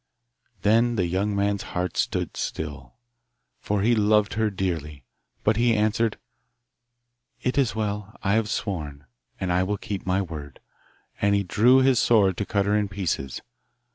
Then the young man's heart stood still, for he loved her dearly. But he answered, 'It is well; I have sworn, and I will keep my word,' and drew his sword to cut her in pieces.